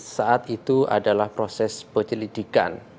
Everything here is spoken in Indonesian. saat itu adalah proses penyelidikan